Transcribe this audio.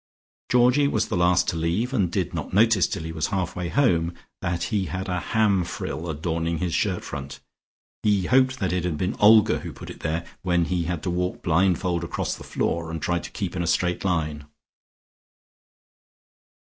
Georgie was the last to leave and did not notice till he was half way home that he had a ham frill adorning his shirt front. He hoped that it had been Olga who put it there, when he had to walk blind fold across the floor and try to keep in a straight line.